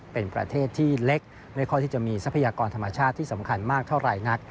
เป็นประเทศที่เล็กไม่ค่อยที่จะมีทรัพยากรธรรมชาติที่สำคัญมากเท่าไหร่นัก